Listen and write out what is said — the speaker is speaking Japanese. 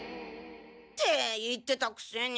って言ってたくせに。